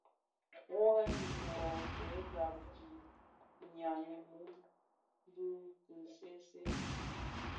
Wuoren dhi wuō kè gab dhi “nyam imum” bi ki see see bisi,